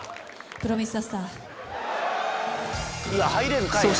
『プロミスザスター』。